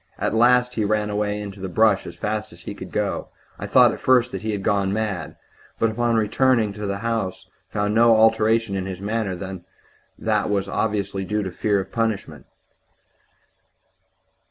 At last he ran away into the brush as fast as he could go. I thought at first that he had gone mad, but on returning to the house found no other alteration in his manner than what was obviously due to fear of punishment.